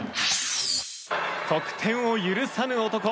得点を許さぬ男